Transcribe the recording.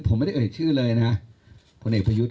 ผมไม่ได้เอ่ยชื่อเลยนะ